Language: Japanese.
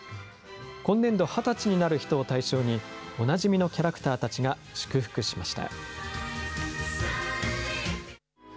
今年度、二十歳になる人を対象に、おなじみのキャラクターたちが祝福しました。